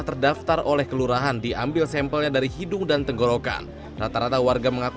terdaftar oleh kelurahan diambil sampelnya dari hidung dan tenggorokan rata rata warga mengaku